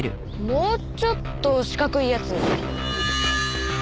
もうちょっと四角いやつ。